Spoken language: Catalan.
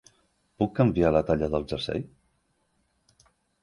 Puc canviar la talla del jersei?